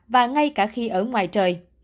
và ngay cả khi ở ngoài trời